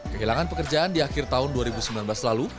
kehilangan pekerjaan di akhir tahun dua ribu sembilan belas lalu